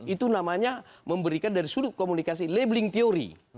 itu namanya memberikan dari sudut komunikasi labeling teori